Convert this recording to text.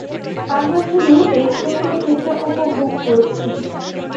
আমরা শুধু এই সুন্দর দিনটা উপভোগ করছি।